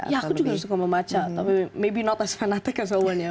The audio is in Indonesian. ya aku juga suka membaca tapi mungkin tidak seperti fanatik seperti orang lain ya